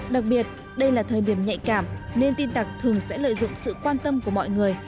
đặc biệt đây là thời điểm nhạy cảm nên tin tặc thường sẽ lợi dụng sự quan tâm của mọi người